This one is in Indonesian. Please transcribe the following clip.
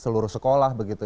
guru sekolah begitu